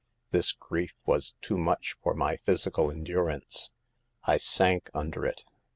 " 6 This grief was too much for my physical endurance. I sank under it.